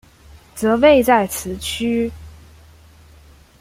则位在此区。